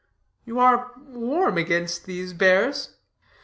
"You are warm against these bears?"